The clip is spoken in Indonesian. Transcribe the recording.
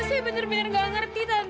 saya benar benar tidak mengerti tante